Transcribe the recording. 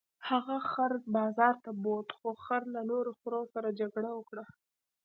هغه خر بازار ته بوت خو خر له نورو خرو سره جګړه وکړه.